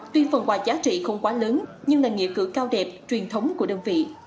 tuy phần quà giá trị không quá lớn nhưng là nghĩa cử cao đẹp truyền thống của đơn vị